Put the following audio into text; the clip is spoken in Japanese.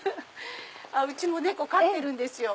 うちも猫飼ってるんですよ。